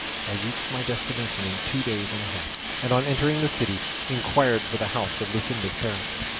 I reached my destination in two days and a half, and on entering the city inquired for the house of Luscinda's parents.